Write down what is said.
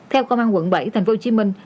theo công an quận bảy thành phố hồ chí minh